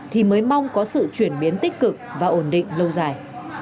thì mới mong có sự chuyển biến tích cực và ổn định lâu dài